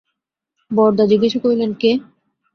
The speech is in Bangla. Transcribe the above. বরদা জিজ্ঞাসা করিলেন, কে?